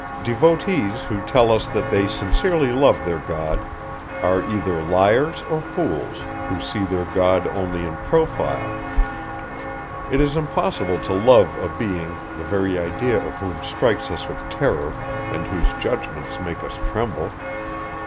Devotees, who tell us, that they sincerely love their God, are either liars or fools, who see their God only in profile. It is impossible to love a being, the very idea of whom strikes us with terror, and whose judgments make us tremble.